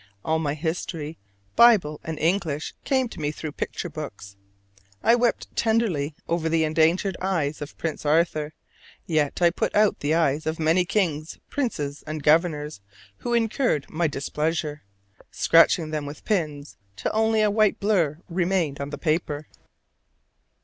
All my history, Bible and English, came to me through picture books. I wept tenderly over the endangered eyes of Prince Arthur, yet I put out the eyes of many kings, princes, and governors who incurred my displeasure, scratching them with pins till only a white blur remained on the paper.